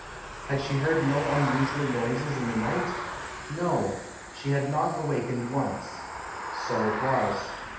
Had she heard no unusual noises in the night? No; she had not awakened once. So it was.